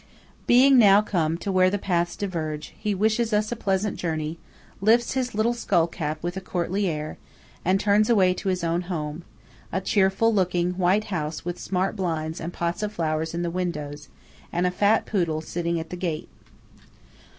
Being now come to where the paths diverge, he wishes us a pleasant journey, lifts his little skull cap with a courtly air, and turns away to his own home–a cheerful looking white house with smart blinds and pots of flowers in the windows, and a fat poodle sitting at the gate.